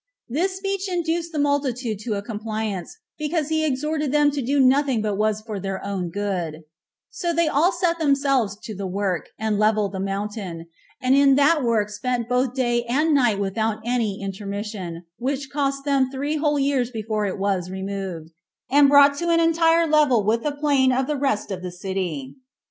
This speech induced the multitude to a compliance, because he exhorted them to do nothing but what was for their own good: so they all set themselves to the work, and leveled the mountain, and in that work spent both day and night without any intermission, which cost them three whole years before it was removed, and brought to an entire level with the plain of the rest of the city.